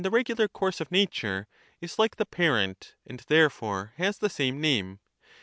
kind, in the regular course of nature, is like the parent, and therefore has the same name.